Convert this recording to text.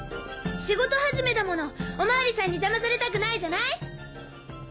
仕事始めだものお巡りさんに邪魔されたくないじゃない。